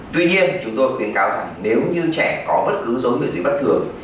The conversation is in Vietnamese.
tuy nhiên chúng tôi khuyến cáo rằng nếu như trẻ có bất cứ dấu hiệu gì bất thường